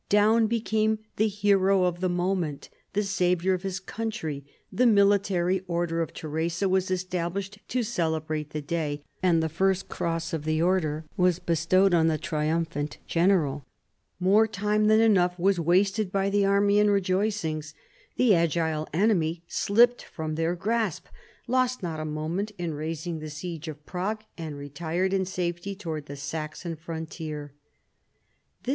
Daun became the hero of the moment, the saviour of his country. The military "Order of Theresa" was established to cele brate the day; and the first cross of the Order was bestowed on the triumphant general. More time than enough was wasted by the army in rejoicings. The agile enemy slipped from their grasp, lost not a moment in raising the siege of Prague, and retired in safety towards the Saxon frontier. This.